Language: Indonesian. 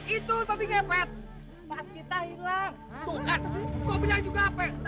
itu dia yang tadi kecil itu loh